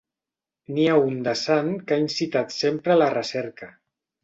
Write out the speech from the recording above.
N'hi ha un de sant que ha incitat sempre a la recerca.